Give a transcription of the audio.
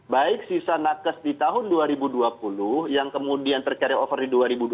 baik sisa nakes di tahun dua ribu dua puluh yang kemudian ter carryover di dua ribu dua puluh